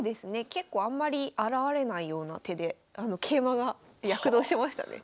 結構あんまり現れないような手で桂馬が躍動しましたね。